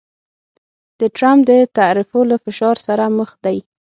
د ټرمپ د تعرفو له فشار سره مخ دی